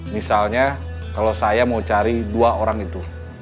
misalnya kalau saya mau cari dua orang itu